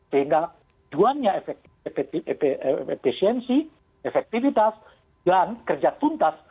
sehingga tuannya efisiensi efektivitas dan kerja tuntas